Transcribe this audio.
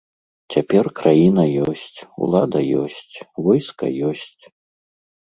Цяпер краіна ёсць, улада ёсць, войска ёсць.